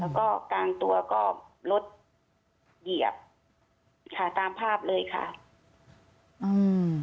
แล้วก็กลางตัวก็รถเหยียบค่ะตามภาพเลยค่ะอืม